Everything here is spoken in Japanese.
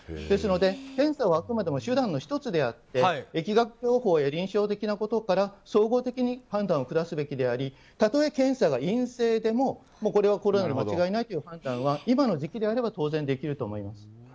ですので、検査はあくまでも手段の１つであって疫学方法や臨床的なことから総合的に判断を下すべきでありたとえ、検査が陰性でもコロナで間違いないという判断は今の時期であれば当然できると思います。